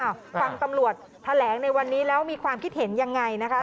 ฟังตำรวจแถลงในวันนี้แล้วมีความคิดเห็นยังไงนะคะ